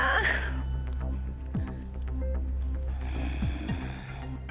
うん。